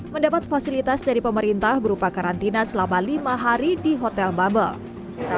mendapat fasilitas dari pemerintah berupa karantina selama lima hari di hotel bubble